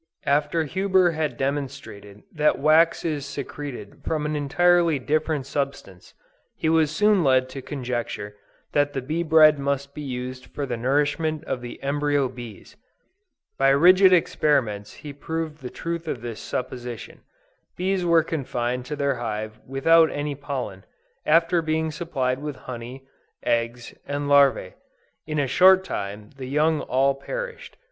After Huber had demonstrated that wax is secreted from an entirely different substance, he was soon led to conjecture that the bee bread must be used for the nourishment of the embryo bees. By rigid experiments he proved the truth of this supposition. Bees were confined to their hive without any pollen, after being supplied with honey, eggs and larvæ. In a short time the young all perished.